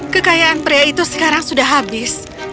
kekayaan pria itu sekarang sudah habis